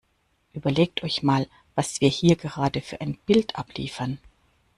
Überlegt euch mal, was wir hier gerade für ein Bild abliefern!